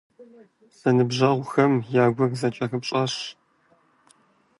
Зэныбжьэгъухэм я гур зэкӀэрыпщӀащ.